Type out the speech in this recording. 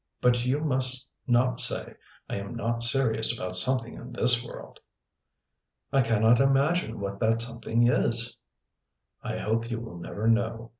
But you must not say I am not serious about something in this world." "I cannot imagine what that something is." "I hope you will never know.